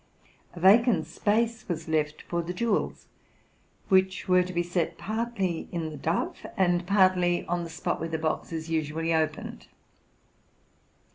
A vacant space was left for the jewels, which were to be set partly in the dove and partly on the spot where the box is usually opened.